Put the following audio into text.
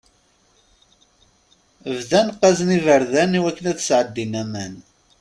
Bɣan qqazen iberdan i wakken ad sɛeddin aman.